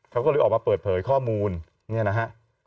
เขาก็เลยออกมาเปิดเผยข้อมูลเนี่ยนะฮะ